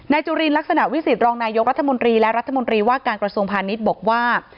จุลินลักษณะวิสิตรองนายกรัฐมนตรีและรัฐมนตรีว่าการกระทรวงพาณิชย์บอกว่า